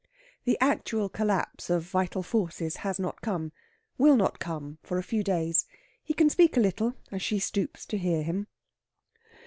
The actual collapse of vital forces has not come will not come for a few days. He can speak a little as she stoops to hear him.